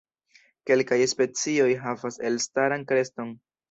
Kelkaj specioj havas elstaran kreston.